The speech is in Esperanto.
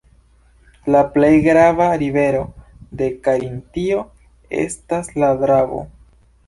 La plej grava rivero de Karintio estas la Dravo.